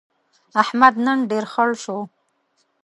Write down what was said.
احمد نن ډېر خړ شو.